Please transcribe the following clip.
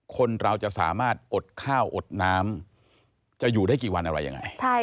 คนเราจะสามารถอดข้าวอดน้ำจะอยู่ได้กี่วันอะไรยังไง